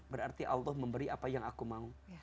berarti allah memberi apa yang aku mau